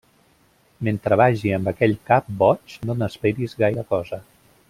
Mentre vagi amb aquell cap boig no n'esperis gaire cosa.